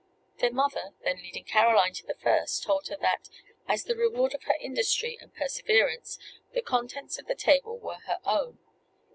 Their mother then leading Caroline to the first, told her that, as the reward of her industry and perseverance, the contents of the table were her own.